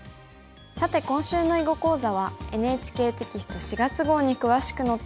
さて今週の囲碁講座はＮＨＫテキスト４月号に詳しく載っています。